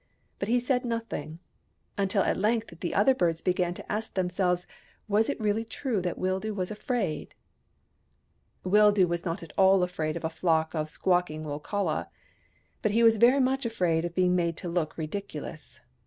But he said nothing : until at length the other birds began to ask themselves was it really true that Wildoo was afraid ? Wildoo was not at all afraid of a flock of squawk ing Wokala. But he was very much afraid of being made to look ridiculous.